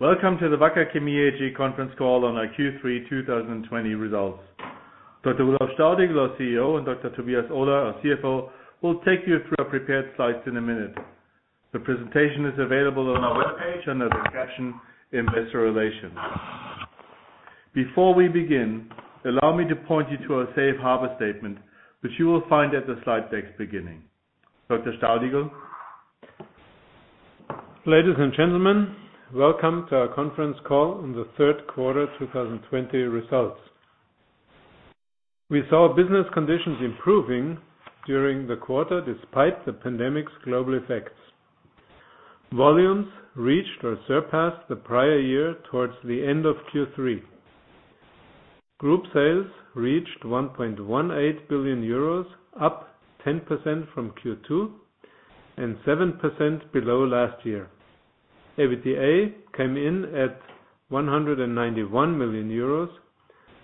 Welcome to the Wacker Chemie AG conference call on our Q3 2020 results. Dr. Rudolf Staudigl, our CEO, and Dr. Tobias Ohler, our CFO, will take you through our prepared slides in a minute. The presentation is available on our webpage under the section Investor Relations. Before we begin, allow me to point you to our safe harbor statement, which you will find at the slide deck's beginning. Dr. Staudigl. Ladies and gentlemen, welcome to our conference call on the third quarter 2020 results. We saw business conditions improving during the quarter despite the pandemic's global effects. Volumes reached or surpassed the prior year towards the end of Q3. Group sales reached 1.18 billion euros, up 10% from Q2 and 7% below last year. EBITDA came in at 191 million euros,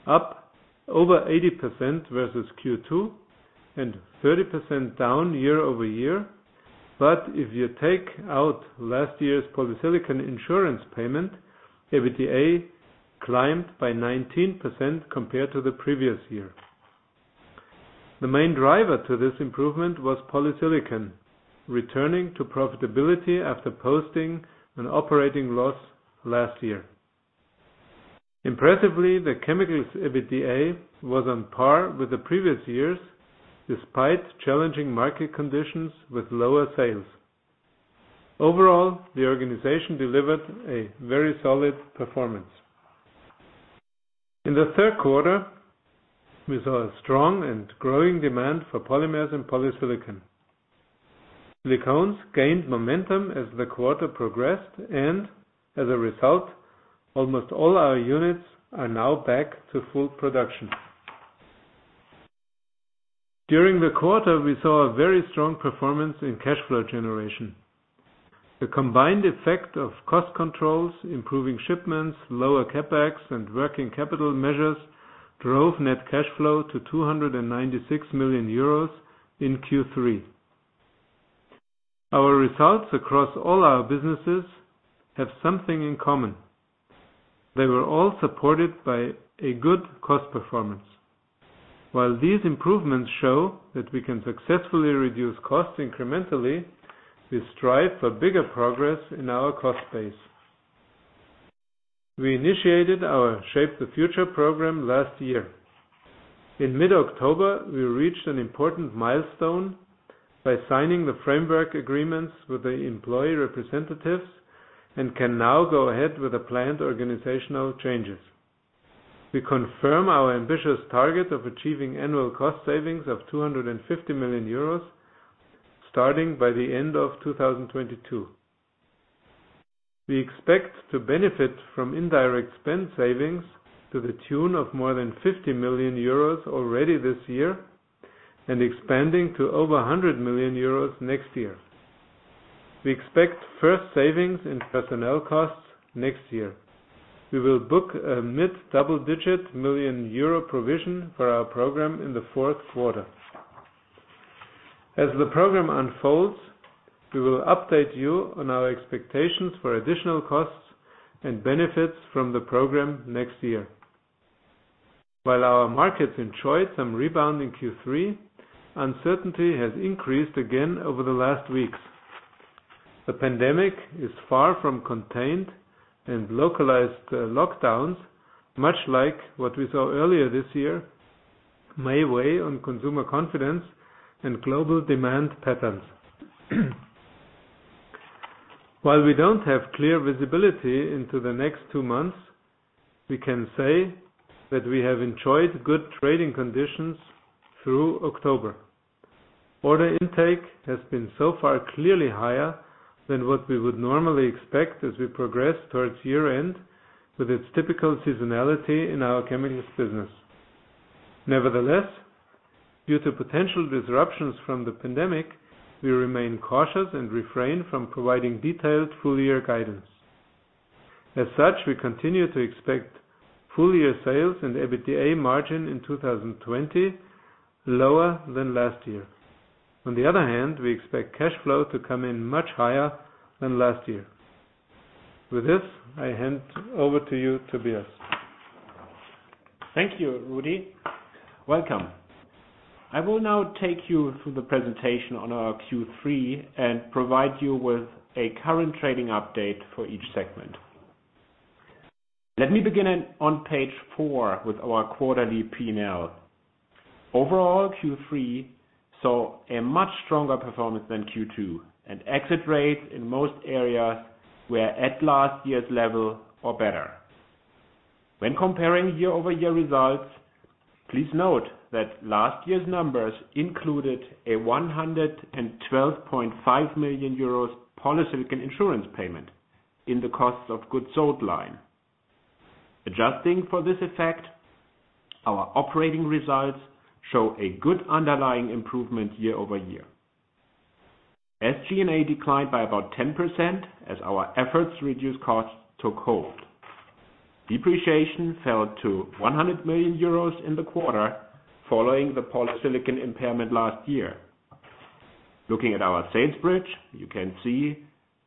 up over 80% versus Q2 and 30% down year-over-year. If you take out last year's polysilicon insurance payment, EBITDA climbed by 19% compared to the previous year. The main driver to this improvement was polysilicon returning to profitability after posting an operating loss last year. Impressively, the chemicals EBITDA was on par with the previous years, despite challenging market conditions with lower sales. Overall, the organization delivered a very solid performance. In the third quarter, we saw a strong and growing demand for polymers and polysilicon. Silicones gained momentum as the quarter progressed, and as a result, almost all our units are now back to full production. During the quarter, we saw a very strong performance in cash flow generation. The combined effect of cost controls, improving shipments, lower CapEx, and working capital measures drove net cash flow to 296 million euros in Q3. Our results across all our businesses have something in common. They were all supported by a good cost performance. While these improvements show that we can successfully reduce costs incrementally, we strive for bigger progress in our cost base. We initiated our Shape the Future program last year. In mid-October, we reached an important milestone by signing the framework agreements with the employee representatives and can now go ahead with the planned organizational changes. We confirm our ambitious target of achieving annual cost savings of 250 million euros, starting by the end of 2022. We expect to benefit from indirect spend savings to the tune of more than 50 million euros already this year and expanding to over 100 million euros next year. We expect first savings in personnel costs next year. We will book a mid-double-digit million EUR provision for our program in the fourth quarter. As the program unfolds, we will update you on our expectations for additional costs and benefits from the program next year. While our markets enjoyed some rebound in Q3, uncertainty has increased again over the last weeks. The pandemic is far from contained and localized lockdowns, much like what we saw earlier this year, may weigh on consumer confidence and global demand patterns. While we don't have clear visibility into the next two months, we can say that we have enjoyed good trading conditions through October. Order intake has been so far clearly higher than what we would normally expect as we progress towards year-end with its typical seasonality in our chemicals business. Nevertheless, due to potential disruptions from the pandemic, we remain cautious and refrain from providing detailed full-year guidance. As such, we continue to expect full-year sales and EBITDA margin in 2020 lower than last year. On the other hand, we expect cash flow to come in much higher than last year. With this, I hand over to you, Tobias. Thank you, Rudolf. I will now take you through the presentation on our Q3 and provide you with a current trading update for each segment. Let me begin on page four with our quarterly P&L. Overall, Q3 saw a much stronger performance than Q2, and exit rates in most areas were at last year's level or better. When comparing year-over-year results, please note that last year's numbers included a 112.5 million euros polysilicon insurance payment in the costs of goods sold line. Adjusting for this effect, our operating results show a good underlying improvement year over year. SG&A declined by about 10% as our efforts to reduce costs took hold. Depreciation fell to 100 million euros in the quarter following the polysilicon impairment last year. Looking at our sales bridge, you can see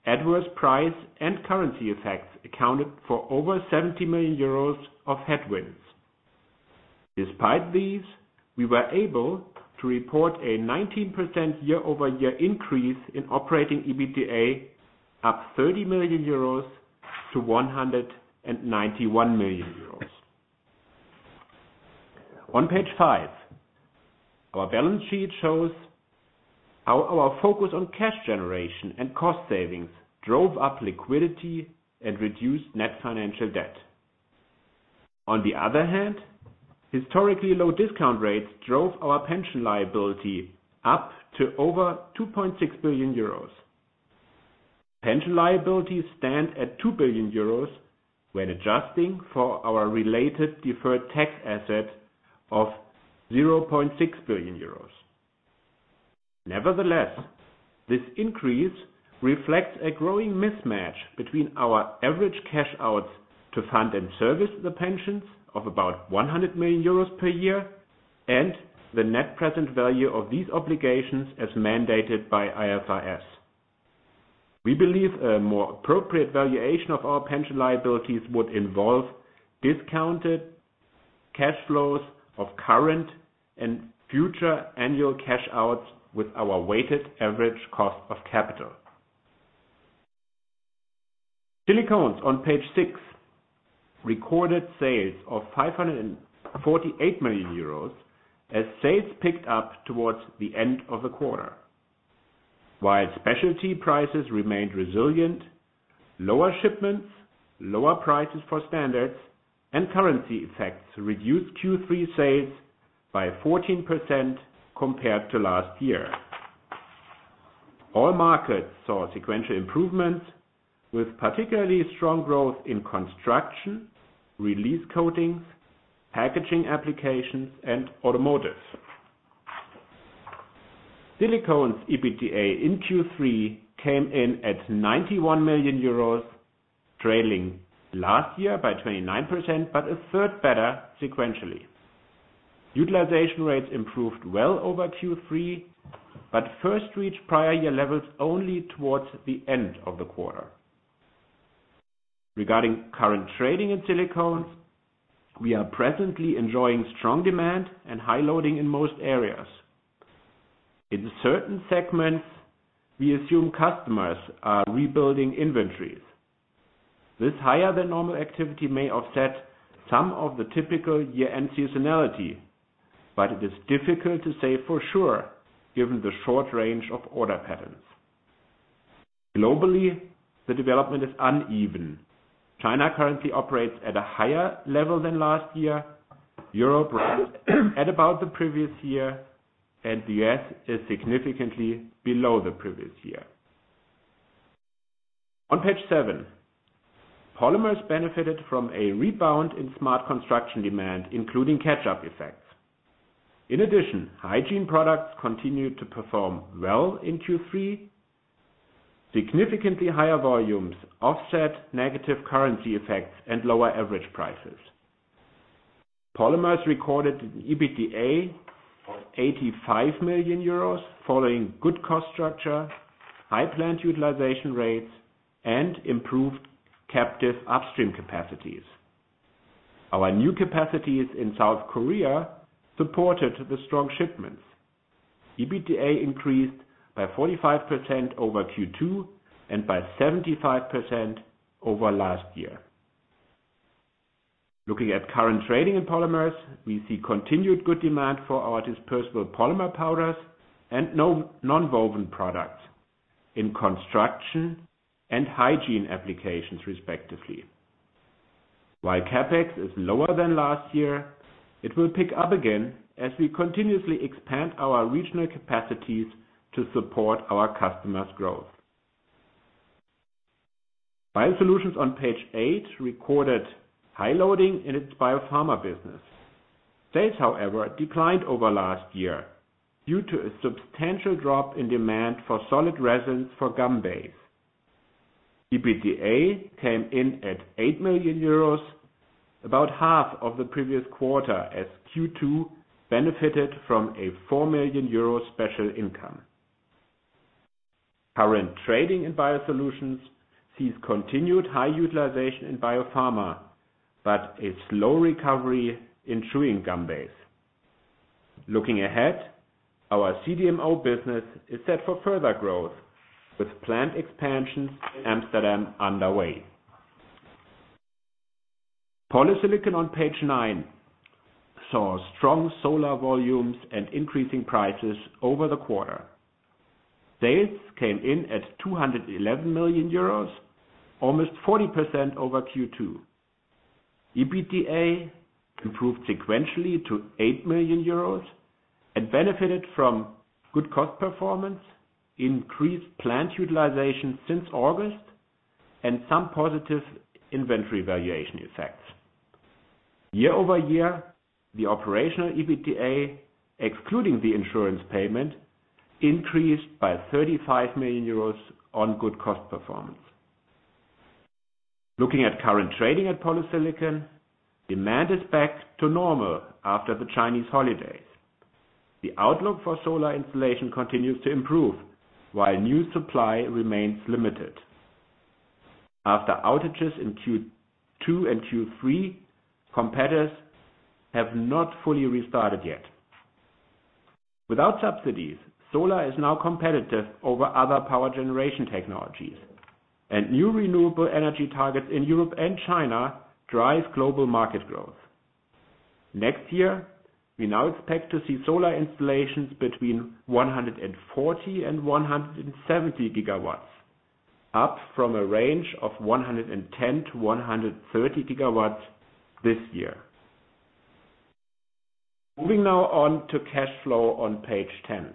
adverse price and currency effects accounted for over 70 million euros of headwinds. Despite these, we were able to report a 19% year-over-year increase in operating EBITDA, up 30 million euros to 191 million euros. On page five, our balance sheet shows how our focus on cash generation and cost savings drove up liquidity and reduced net financial debt. On the other hand, historically low discount rates drove our pension liability up to over 2.6 billion euros. Pension liabilities stand at 2 billion euros when adjusting for our related deferred tax asset of EUR 0.6 billion. Nevertheless, this increase reflects a growing mismatch between our average cash outs to fund and service the pensions of about 100 million euros per year, and the net present value of these obligations as mandated by IFRS. We believe a more appropriate valuation of our pension liabilities would involve discounted cash flows of current and future annual cash outs with our weighted average cost of capital. Silicones on page six recorded sales of 548 million euros as sales picked up towards the end of the quarter. While specialty prices remained resilient, lower shipments, lower prices for standards, and currency effects reduced Q3 sales by 14% compared to last year. All markets saw sequential improvement, with particularly strong growth in construction, release coatings, packaging applications, and automotive. Silicones EBITDA in Q3 came in at 91 million euros, trailing last year by 29%, but a third better sequentially. Utilization rates improved well over Q3, but first reached prior year levels only towards the end of the quarter. Regarding current trading in Silicones, we are presently enjoying strong demand and high loading in most areas. In certain segments, we assume customers are rebuilding inventories. This higher-than-normal activity may offset some of the typical year-end seasonality, but it is difficult to say for sure given the short range of order patterns. Globally, the development is uneven. China currently operates at a higher level than last year, Europe runs at about the previous year, and the U.S. is significantly below the previous year. On page seven, polymers benefited from a rebound in smart construction demand, including catch-up effects. In addition, hygiene products continued to perform well in Q3. Significantly higher volumes offset negative currency effects and lower average prices. Polymers recorded EBITDA of 85 million euros following good cost structure, high plant utilization rates, and improved captive upstream capacities. Our new capacities in South Korea supported the strong shipments. EBITDA increased by 45% over Q2 and by 75% over last year. Looking at current trading in polymers, we see continued good demand for our dispersible polymer powders and nonwoven products in construction and hygiene applications, respectively. While CapEx is lower than last year, it will pick up again as we continuously expand our regional capacities to support our customers' growth. WACKER BIOSOLUTIONS on page eight recorded high loading in its biopharma business. Sales, however, declined over last year due to a substantial drop in demand for solid resins for gum base. EBITDA came in at 8 million euros, about half of the previous quarter as Q2 benefited from a 4 million euro special income. Current trading in WACKER BIOSOLUTIONS sees continued high utilization in biopharma, but a slow recovery in chewing gum base. Looking ahead, our CDMO business is set for further growth, with plant expansions in Amsterdam underway. Polysilicon on page nine saw strong solar volumes and increasing prices over the quarter. Sales came in at 211 million euros, almost 40% over Q2. EBITDA improved sequentially to 8 million euros and benefited from good cost performance, increased plant utilization since August, and some positive inventory valuation effects. Year-over-year, the operational EBITDA, excluding the insurance payment, increased by 35 million euros on good cost performance. Looking at current trading at polysilicon, demand is back to normal after the Chinese holidays. The outlook for solar installation continues to improve, while new supply remains limited. After outages in Q2 and Q3, competitors have not fully restarted yet. Without subsidies, solar is now competitive over other power generation technologies, and new renewable energy targets in Europe and China drives global market growth. Next year, we now expect to see solar installations between 140 GW and 170 GW, up from a range of 110-130 GW this year. Moving now on to cash flow on page 10.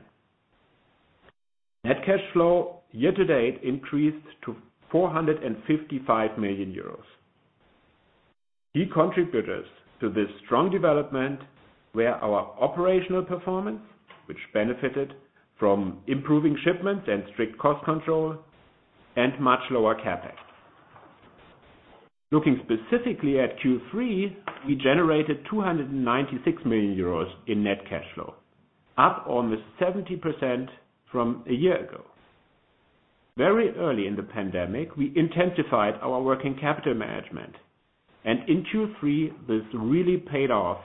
Net cash flow year-to-date increased to 455 million euros. Key contributors to this strong development were our operational performance, which benefited from improving shipments and strict cost control, and much lower CapEx. Looking specifically at Q3, we generated 296 million euros in net cash flow, up almost 70% from a year ago. Very early in the pandemic, we intensified our working capital management, and in Q3, this really paid off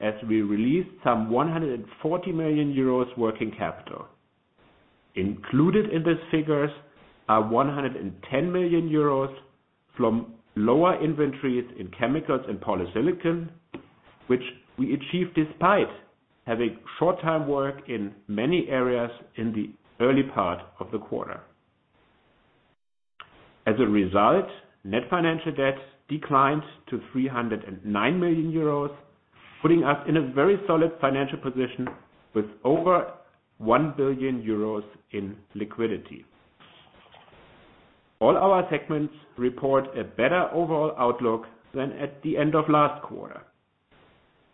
as we released some 140 million euros working capital. Included in these figures are 110 million euros from lower inventories in chemicals and polysilicon, which we achieved despite having short time work in many areas in the early part of the quarter. As a result, net financial debt declined to 309 million euros, putting us in a very solid financial position with over 1 billion euros in liquidity. All our segments report a better overall outlook than at the end of last quarter.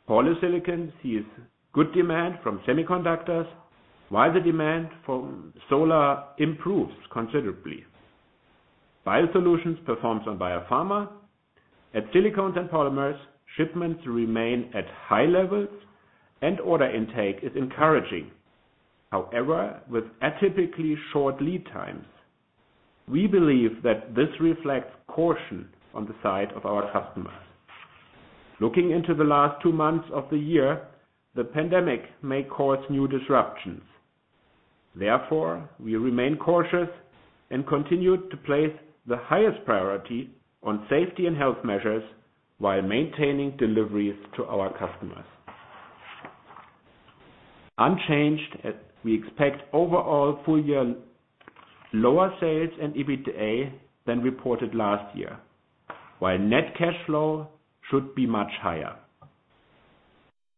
Polysilicon sees good demand from semiconductors, while the demand for solar improves considerably. WACKER BIOSOLUTIONS performs on biopharma. At Silicones and Wacker Polymers, shipments remain at high levels and order intake is encouraging. However, with atypically short lead times. We believe that this reflects caution on the side of our customers. Looking into the last two months of the year, the pandemic may cause new disruptions. Therefore, we remain cautious and continue to place the highest priority on safety and health measures while maintaining deliveries to our customers. Unchanged, we expect overall full year lower sales and EBITDA than reported last year, while net cash flow should be much higher.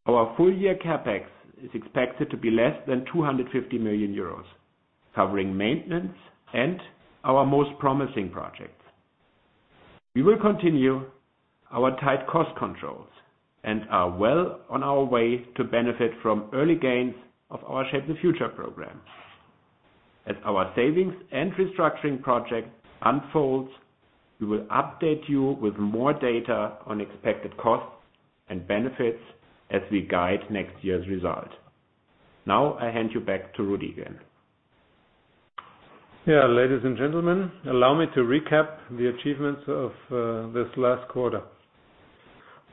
Our full year CapEx is expected to be less than 250 million euros, covering maintenance and our most promising projects. We will continue our tight cost controls and are well on our way to benefit from early gains of our Shape the Future program. As our savings and restructuring project unfolds, we will update you with more data on expected costs and benefits as we guide next year's result. Now I hand you back to Rudolf again. Ladies and gentlemen, allow me to recap the achievements of this last quarter.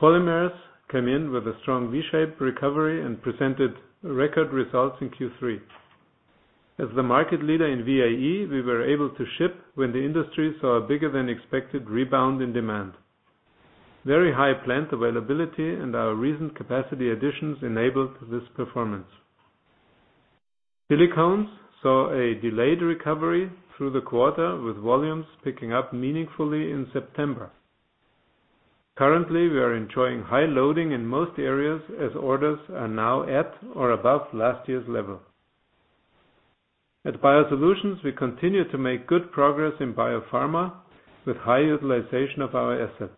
Wacker Polymers came in with a strong V-shaped recovery and presented record results in Q3. As the market leader in VAE, we were able to ship when the industry saw a bigger than expected rebound in demand. Very high plant availability and our recent capacity additions enabled this performance. Wacker Silicones saw a delayed recovery through the quarter, with volumes picking up meaningfully in September. Currently, we are enjoying high loading in most areas as orders are now at or above last year's level. At WACKER BIOSOLUTIONS, we continue to make good progress in biopharma with high utilization of our assets.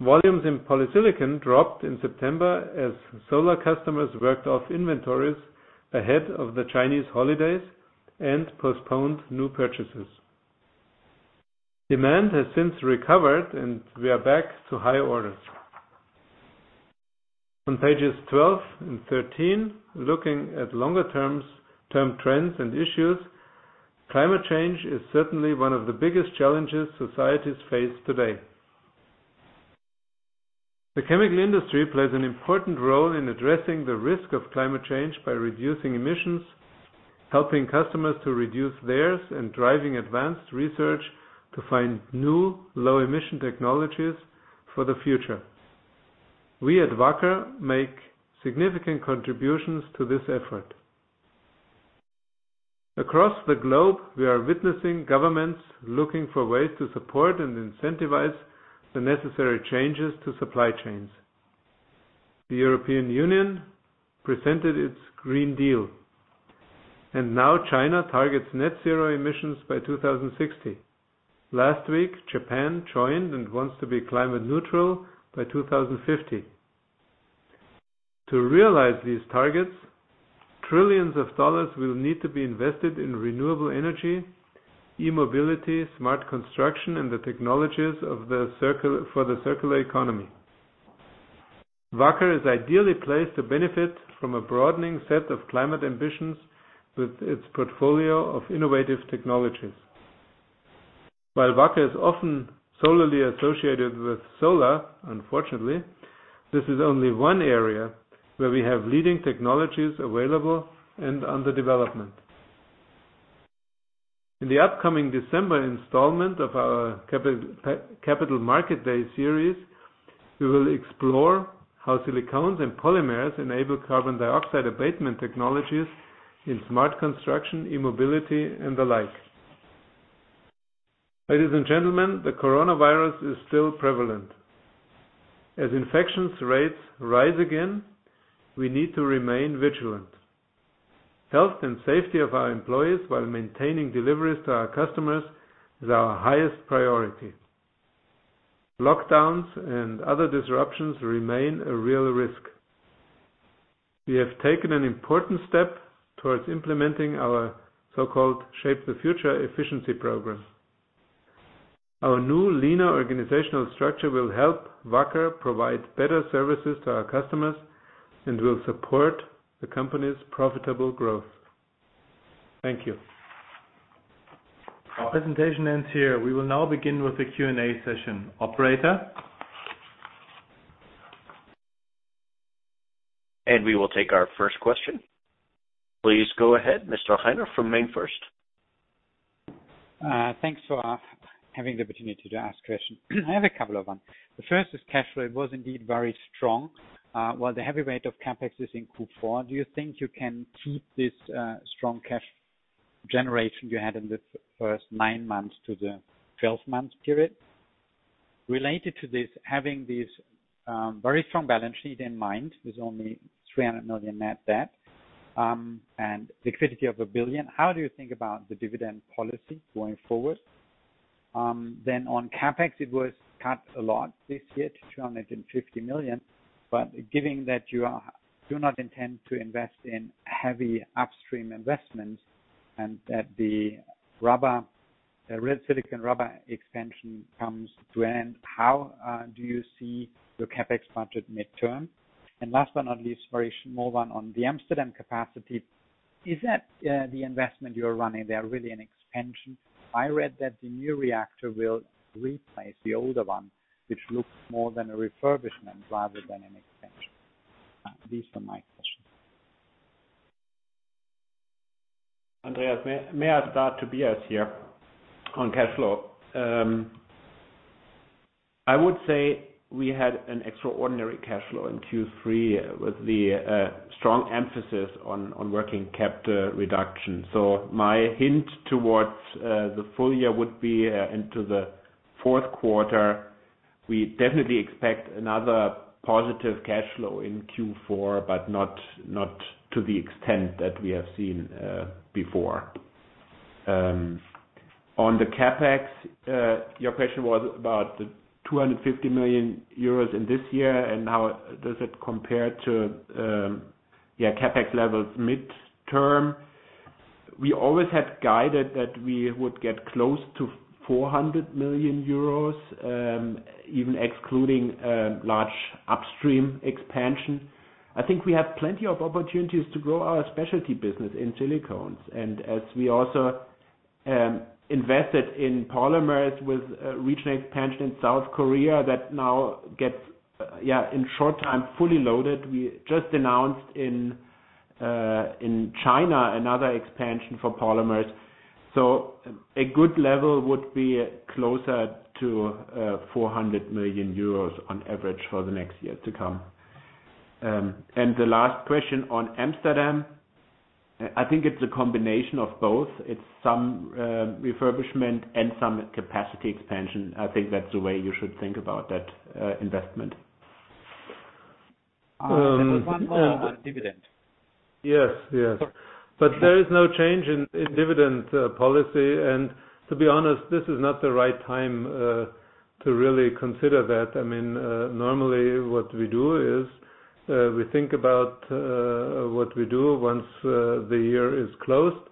Volumes in polysilicon dropped in September as solar customers worked off inventories ahead of the Chinese holidays and postponed new purchases. Demand has since recovered, and we are back to high orders. On pages 12 and 13, looking at longer term trends and issues, climate change is certainly one of the biggest challenges societies face today. The chemical industry plays an important role in addressing the risk of climate change by reducing emissions, helping customers to reduce theirs, and driving advanced research to find new low emission technologies for the future. We at Wacker make significant contributions to this effort. Across the globe, we are witnessing governments looking for ways to support and incentivize the necessary changes to supply chains. The European Union presented its Green Deal. Now China targets net zero emissions by 2060. Last week, Japan joined. Wants to be climate neutral by 2050. To realize these targets, trillions of dollars will need to be invested in renewable energy, e-mobility, smart construction, and the technologies for the circular economy. Wacker is ideally placed to benefit from a broadening set of climate ambitions with its portfolio of innovative technologies. While Wacker is often solely associated with solar, unfortunately, this is only one area where we have leading technologies available and under development. In the upcoming December installment of our Capital Market Day series, we will explore how Silicones and polymers enable carbon dioxide abatement technologies in smart construction, e-mobility, and the like. Ladies and gentlemen, the coronavirus is still prevalent. As infections rates rise again, we need to remain vigilant. Health and safety of our employees while maintaining deliveries to our customers is our highest priority. Lockdowns and other disruptions remain a real risk. We have taken an important step towards implementing our so-called Shape the Future efficiency program. Our new leaner organizational structure will help Wacker provide better services to our customers and will support the company's profitable growth. Thank you. Our presentation ends here. We will now begin with the Q&A session. Operator? We will take our first question. Please go ahead, Mr. Andreas Heine from MainFirst. Thanks for having the opportunity to ask question. I have a couple of them. The first is cash flow. It was indeed very strong. While the heavy weight of CapEx is in Q4, do you think you can keep this strong cash generation you had in the first nine months to the 12-month period? Related to this, having this very strong balance sheet in mind, with only 300 million net debt, and liquidity of 1 billion, how do you think about the dividend policy going forward? On CapEx, it was cut a lot this year to 250 million. Given that you do not intend to invest in heavy upstream investments and that the liquid silicone rubber expansion comes to an end, how do you see your CapEx budget midterm? Last but not least, very small one on the Amsterdam capacity. Is that the investment you're running there really an expansion? I read that the new reactor will replace the older one, which looks more than a refurbishment rather than an expansion. These are my questions. Andreas, may I start to discuss here on cash flow? I would say we had an extraordinary cash flow in Q3 with the strong emphasis on working capital reduction. My hint towards the full year would be into the fourth quarter. We definitely expect another positive cash flow in Q4, not to the extent that we have seen before. On the CapEx, your question was about the 250 million euros in this year, and how does it compare to CapEx levels midterm. We always had guided that we would get close to 400 million euros, even excluding large upstream expansion. I think we have plenty of opportunities to grow our specialty business in Silicones. As we also invested in polymers with regional expansion in South Korea that now gets in short time fully loaded. We just announced in China another expansion for polymers. A good level would be closer to 400 million euros on average for the next year to come. The last question on Amsterdam, I think it's a combination of both. It's some refurbishment and some capacity expansion. I think that's the way you should think about that investment. There was one more on dividend. Yes. There is no change in dividend policy. To be honest, this is not the right time to really consider that. Normally, what we do is, we think about what we do once the year is closed.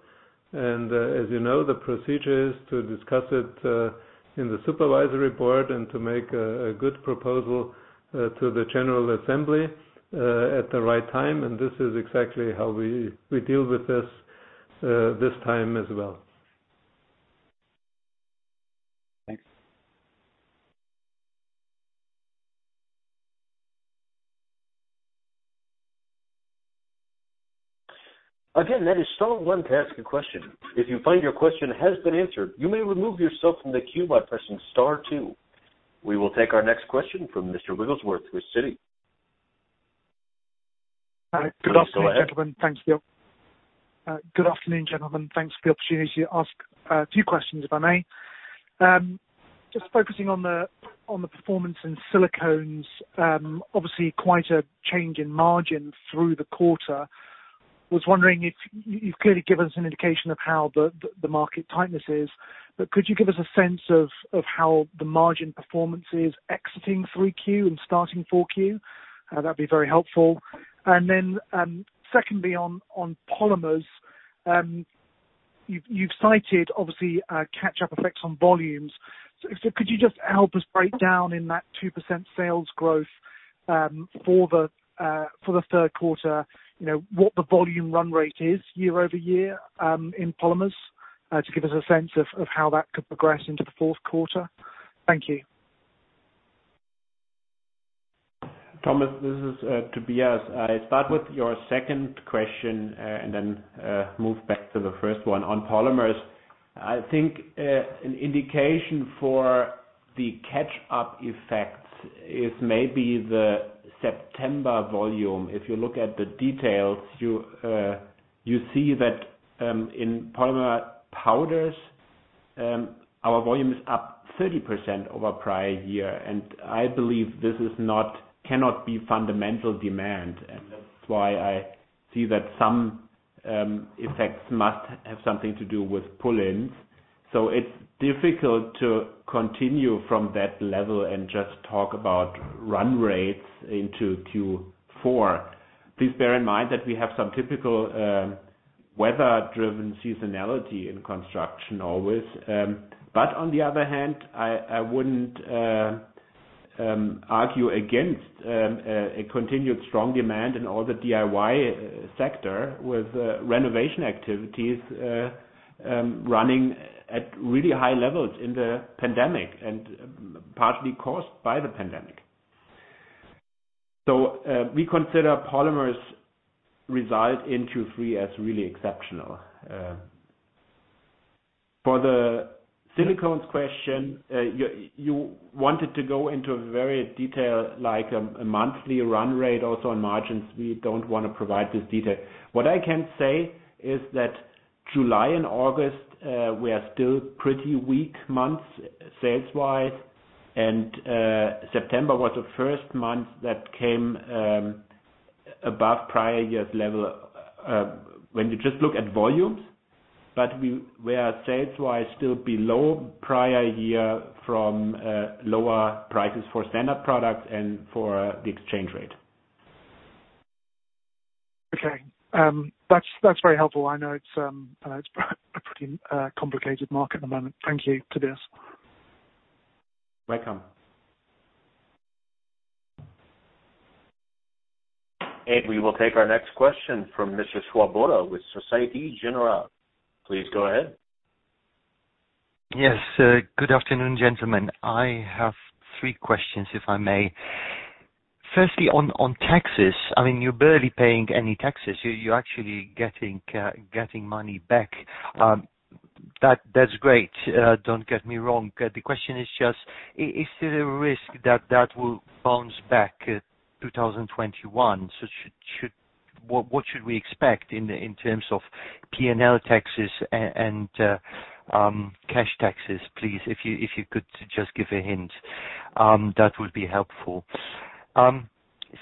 As you know, the procedure is to discuss it in the supervisory board and to make a good proposal to the general assembly at the right time, and this is exactly how we deal with this time as well. Thanks. We will take our next question from Mr. Thomas Wrigglesworth with Citi. Good afternoon, gentlemen. Thanks for the opportunity to ask a few questions, if I may. Just focusing on the performance in Silicones, obviously quite a change in margin through the quarter. Was wondering if, you've clearly given us an indication of how the market tightness is, could you give us a sense of how the margin performance is exiting Q3 and starting Q4? That'd be very helpful. Secondly on polymers, you've cited obviously a catch-up effect on volumes. Could you just help us break down in that 2% sales growth for the third quarter, what the volume run rate is year-over-year, in polymers, to give us a sense of how that could progress into the fourth quarter? Thank you. Thomas, this is Tobias. I start with your second question, and then move back to the first one. On polymers, I think, an indication for the catch-up effect is maybe the September volume. If you look at the details, you see that in polymer powders, our volume is up 30% over prior year. I believe this cannot be fundamental demand. That's why I see that some effects must have something to do with pull-ins. It's difficult to continue from that level and just talk about run rates into Q4. Please bear in mind that we have some typical weather-driven seasonality in construction always. On the other hand, I wouldn't argue against a continued strong demand in all the DIY sector with renovation activities running at really high levels in the pandemic, and partly caused by the pandemic. We consider polymers results in Q3 as really exceptional. For the Silicones question, you wanted to go into a very detailed monthly run rate also on margins. We don't want to provide this detail. What I can say is that July and August were still pretty weak months sales-wise, and September was the first month that came above prior year's level, when you just look at volumes. We were sales-wise still below prior year from lower prices for standard products and for the exchange rate. Okay. That's very helpful. I know it's a pretty complicated market at the moment. Thank you, Tobias. Welcome. We will take our next question from Mr. Thomas Swoboda with Societe Generale. Please go ahead. Yes. Good afternoon, gentlemen. I have three questions, if I may. Firstly, on taxes, I mean, you're barely paying any taxes. You're actually getting money back. That's great, don't get me wrong. The question is just, is there a risk that that will bounce back 2021? What should we expect in terms of P&L taxes and cash taxes, please? If you could just give a hint, that would be helpful.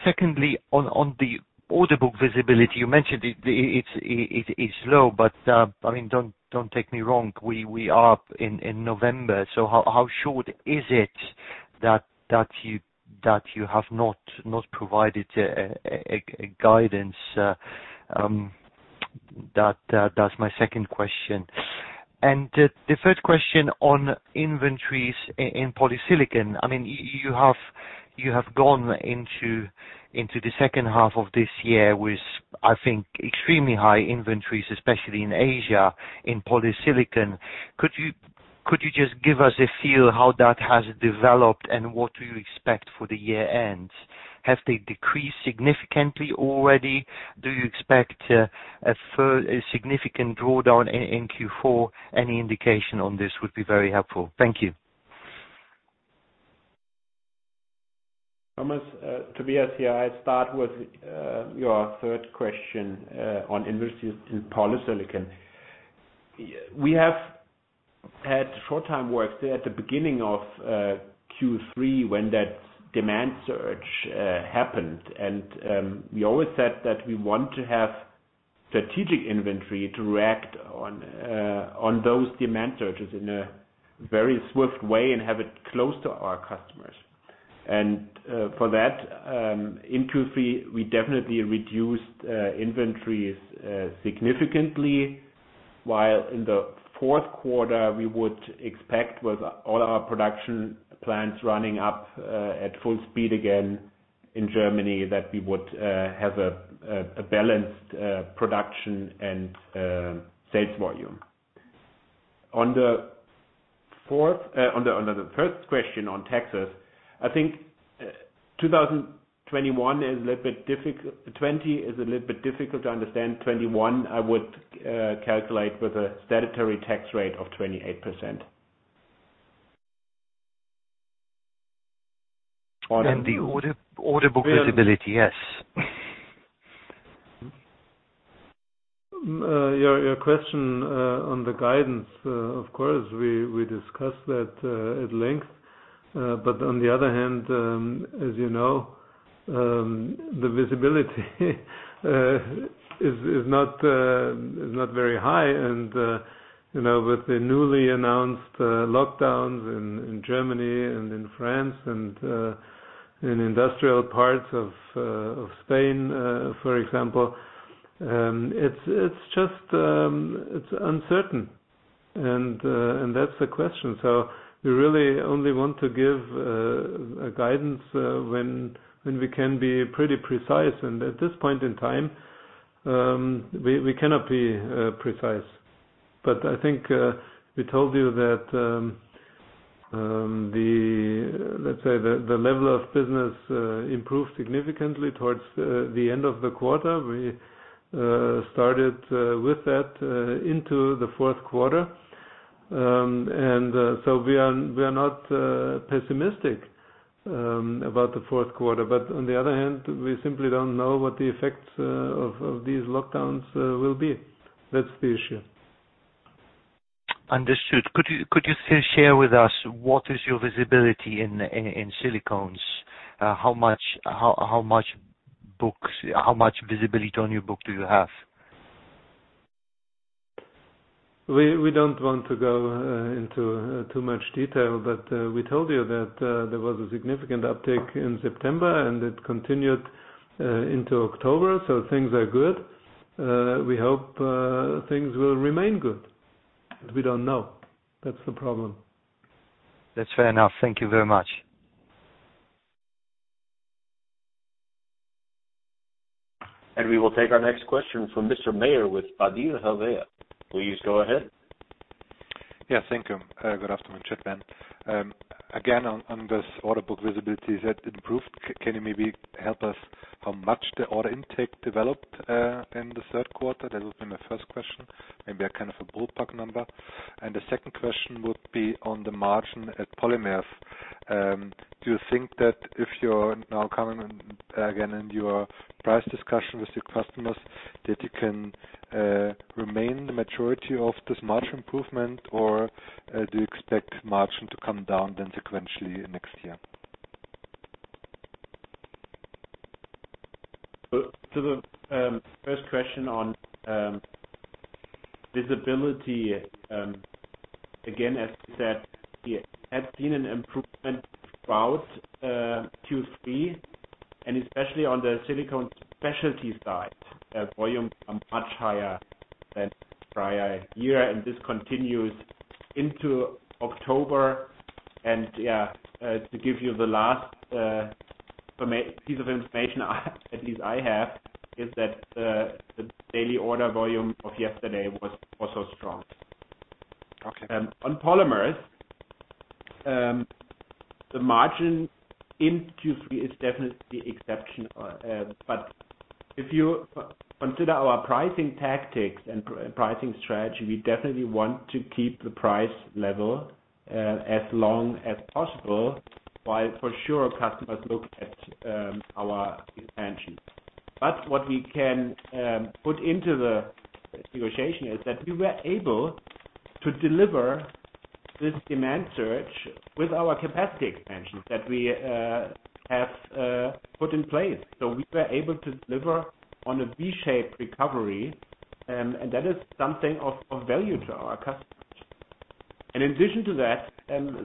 Secondly, on the order book visibility, you mentioned it's low, but don't take me wrong, we are in November. How sure is it that you have not provided a guidance? That's my second question. The third question on inventories in polysilicon. You have gone into the second half of this year with, I think, extremely high inventories, especially in Asia, in polysilicon. Could you just give us a feel how that has developed and what do you expect for the year-end? Have they decreased significantly already? Do you expect a significant drawdown in Q4? Any indication on this would be very helpful. Thank you. Thomas, Tobias here. I start with your third question on inventories in polysilicon. We have had short time work at the beginning of Q3 when that demand surge happened. We always said that we want to have strategic inventory to react on those demand surges in a very swift way and have it close to our customers. For that, in Q3, we definitely reduced inventories significantly, while in the fourth quarter, we would expect with all our production plants running up at full speed again in Germany, that we would have a balanced production and sales volume. On the first question on taxes, I think 2020 is a little bit difficult to understand. 2021, I would calculate with a statutory tax rate of 28%. The order book visibility, yes. Your question on the guidance, of course, we discussed that at length. On the other hand, as you know, the visibility is not very high. With the newly announced lockdowns in Germany and in France and in industrial parts of Spain, for example, it's uncertain. That's the question. We really only want to give a guidance when we can be pretty precise. At this point in time, we cannot be precise. I think we told you that, let's say, the level of business improved significantly towards the end of the quarter. We started with that into the fourth quarter. We are not pessimistic about the fourth quarter. On the other hand, we simply don't know what the effects of these lockdowns will be. That's the issue. Understood. Could you still share with us what is your visibility in Silicones? How much visibility on your book do you have? We don't want to go into too much detail, but we told you that there was a significant uptick in September, and it continued into October. Things are good. We hope things will remain good, but we don't know. That's the problem. That's fair enough. Thank you very much. We will take our next question from Mr. Meyer with Oddo BHF. Please go ahead. Yes. Thank you. Good afternoon, gentlemen. Again, on this order book visibility, you said it improved. Can you maybe help us how much the order intake developed in the third quarter? That would be my first question. Maybe a kind of a ballpark number. The second question would be on the margin at polymers. Do you think that if you're now coming again in your price discussion with your customers, that you can remain the majority of this margin improvement, or do you expect margin to come down then sequentially next year? The first question on visibility, again, as we said, we have seen an improvement throughout Q3 and especially on the silicone specialty side. The volumes are much higher than the prior year, and this continues into October. To give you the last piece of information, at least I have, is that the daily order volume of yesterday was also strong. Okay. On polymers, the margin in Q3 is definitely exceptional. If you consider our pricing tactics and pricing strategy, we definitely want to keep the price level as long as possible, while for sure customers look at our expansion. What we can put into the negotiation is that we were able to deliver this demand surge with our capacity expansions that we have put in place. We were able to deliver on a V-shaped recovery, and that is something of value to our customers. In addition to that,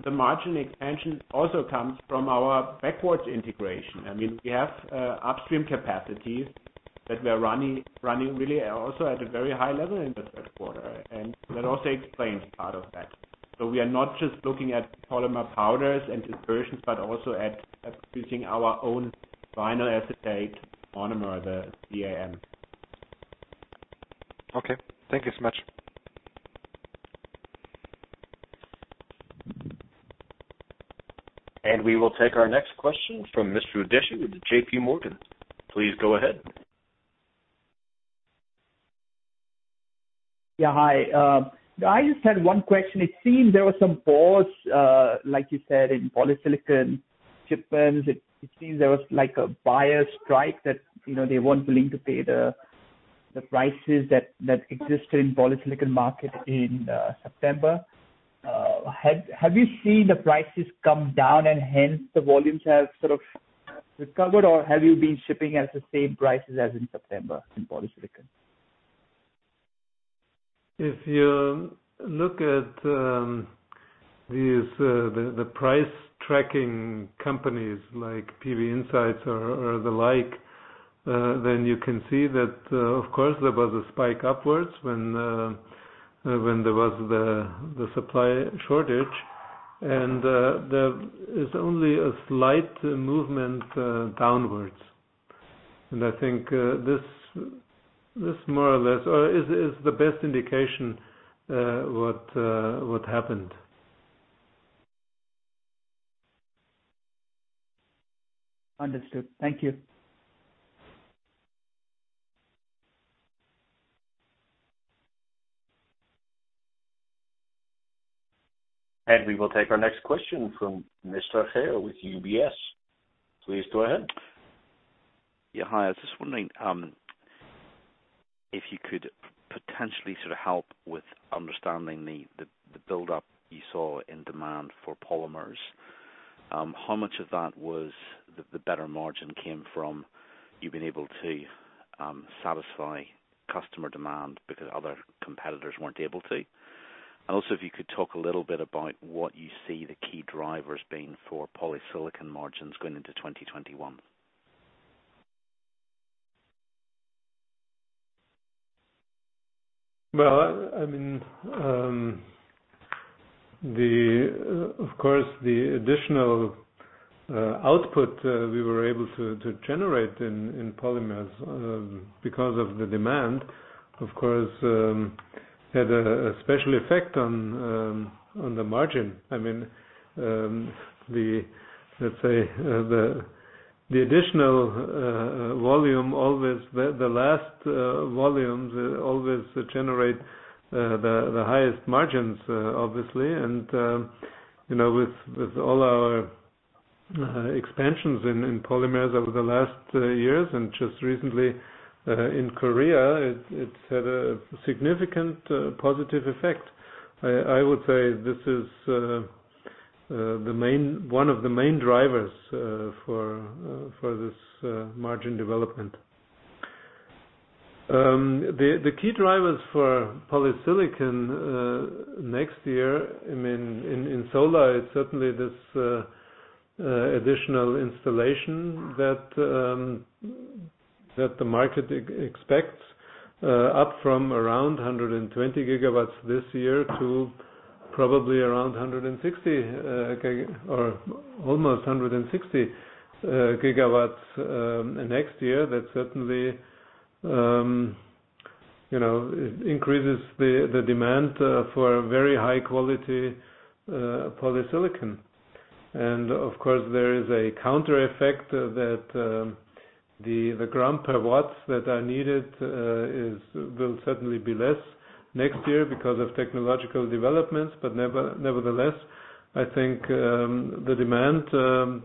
the margin expansion also comes from our backwards integration. We have upstream capacities that we're running really also at a very high level in the third quarter, and that also explains part of that. We are not just looking at polymer powders and dispersions, but also at producing our own vinyl acetate monomer, the VAM. Okay. Thank you so much. We will take our next question from Mr. Udeshi with JPMorgan. Please go ahead. Yeah. Hi. I just had one question. It seems there were some pause, like you said, in polysilicon shipments. It seems there was like a buyer strike that they weren't willing to pay the prices that existed in polysilicon market in September. Have you seen the prices come down and hence the volumes have sort of recovered, or have you been shipping at the same prices as in September in polysilicon? If you look at the price-tracking companies like PVinsights or the like, then you can see that, of course, there was a spike upwards when there was the supply shortage. There is only a slight movement downwards. I think this more or less is the best indication what happened. Understood. Thank you. We will take our next question from Mr. Hare with UBS. Please go ahead. Yeah. Hi. I was just wondering if you could potentially help with understanding the buildup you saw in demand for polymers. How much of that was the better margin came from you being able to satisfy customer demand because other competitors weren't able to? Also, if you could talk a little bit about what you see the key drivers being for polysilicon margins going into 2021. Well, of course, the additional output we were able to generate in polymers, because of the demand, of course, had a special effect on the margin. Let's say the additional volume, the last volumes always generate the highest margins, obviously. With all our expansions in polymers over the last years and just recently in Korea, it's had a significant positive effect. I would say this is one of the main drivers for this margin development. The key drivers for polysilicon next year, in solar, it's certainly this additional installation that the market expects up from around 120 GW this year to probably around 160 GW or almost 160 GW next year. That certainly increases the demand for very high-quality polysilicon. Of course, there is a counter effect that the grams per watt that are needed will certainly be less next year because of technological developments. Nevertheless, I think the demand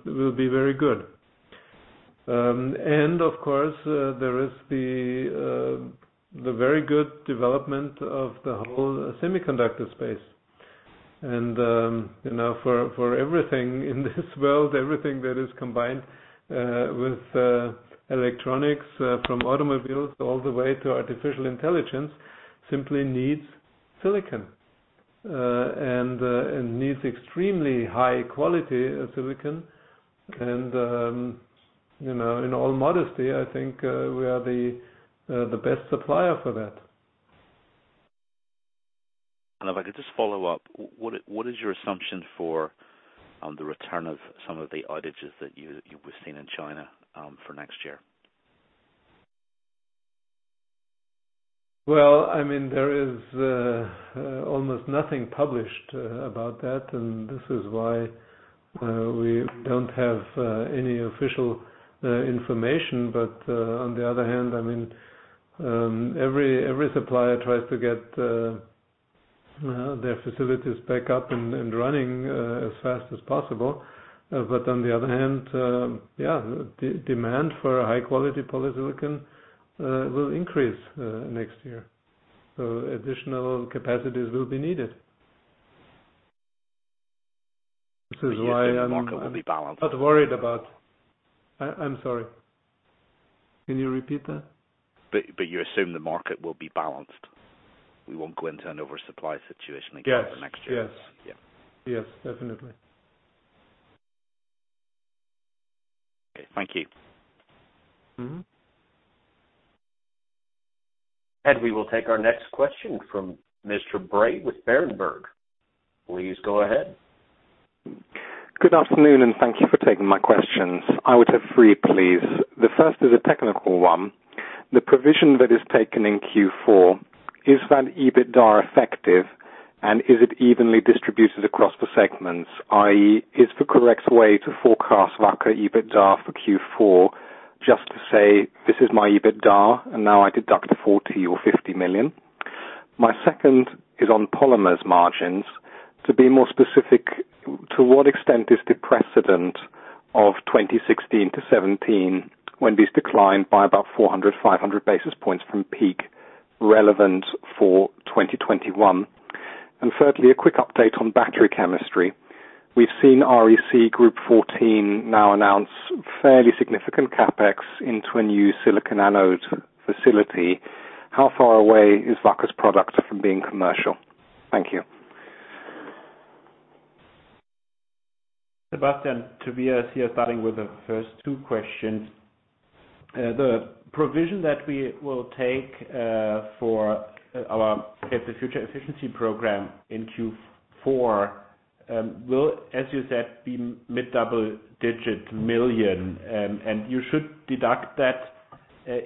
will be very good. Of course, there is the very good development of the whole semiconductor space. For everything in this world everything that is combined with electronics, from automobiles all the way to artificial intelligence, simply needs silicon. Needs extremely high-quality silicon and, in all modesty, I think we are the best supplier for that. If I could just follow up, what is your assumption for the return of some of the outages that you were seeing in China for next year? Well, there is almost nothing published about that, and this is why we don't have any official information. On the other hand, every supplier tries to get their facilities back up and running as fast as possible. On the other hand, demand for high-quality polysilicon will increase next year. Additional capacities will be needed. You assume the market will be balanced? I'm sorry. Can you repeat that? You assume the market will be balanced. We won't go into an oversupply situation again next year. Yes, definitely. Okay. Thank you. We will take our next question from Mr. Sebastian Bray with Berenberg. Please go ahead. Good afternoon, and thank you for taking my questions. I would have three, please. The first is a technical one. The provision that is taken in Q4, is that EBITDA effective, and is it evenly distributed across the segments? I.e., is the correct way to forecast Wacker EBITDA for Q4 just to say, "This is my EBITDA, and now I deduct 40 million or 50 million"? My second is on polymers margins. To be more specific, to what extent is the precedent of 2016-2017, when this declined by about 400, 500 basis points from peak relevant for 2021? Thirdly, a quick update on battery chemistry. We've seen REC, Group14 now announce fairly significant CapEx into a new silicon anode facility. How far away is Wacker's product from being commercial? Thank you. Sebastian, Tobias here, starting with the first two questions. The provision that we will take for our Shape the Future efficiency program in Q4 will, as you said, be mid-double-digit million EUR. You should deduct that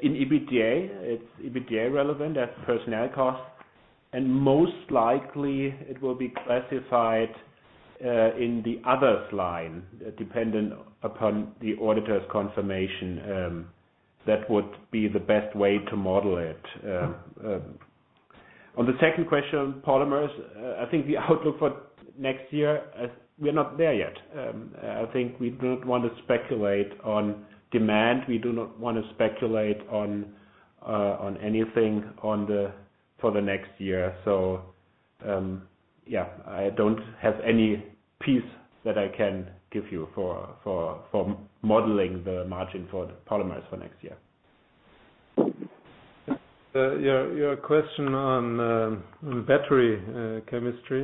in EBITDA. It's EBITDA-relevant as personnel cost. Most likely, it will be classified in the others line, dependent upon the auditor's confirmation. That would be the best way to model it. On the second question, polymers, I think the outlook for next year, we're not there yet. I think we do not want to speculate on demand. We do not want to speculate on anything for the next year. I don't have any piece that I can give you for modeling the margin for the polymers for next year. Your question on battery chemistry.